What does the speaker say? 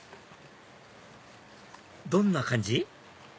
どんな感じ？